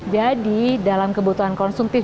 jadi dalam kebutuhan konsumtif